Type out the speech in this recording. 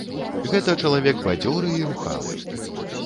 Гэта чалавек бадзёры і рухавы.